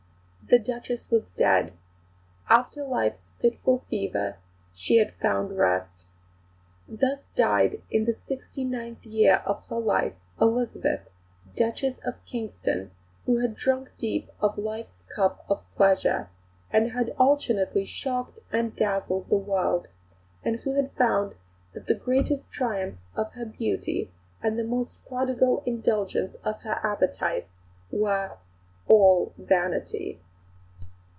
The Duchess was dead. After life's fitful fever, she had found rest. Thus died, in the sixty ninth year of her life Elizabeth, Duchess of Kingston, who had drunk deep of life's cup of pleasure; who had alternately shocked and dazzled the world; and who had found that the greatest triumphs of her beauty and the most prodigal indulgence of her appetites were "all vanity."